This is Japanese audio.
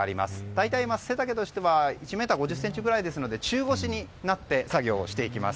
大体背丈としては１ｍ５０ｃｍくらいですので中腰になって作業をしていきます。